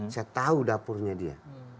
saya tahu dapurnya dia